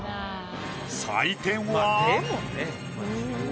採点は。